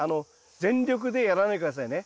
全力でやらないで下さいね。